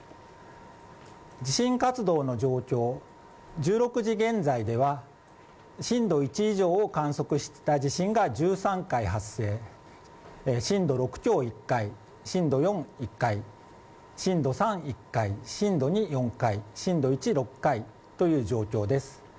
地震活動の状況、１６時現在では震度１以上を観測した地震が１３回発生、震度６強、１回、震度４、１回震度３、１回、震度２、４回、震度１、６回という状況です。